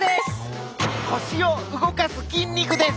腰を動かす筋肉です！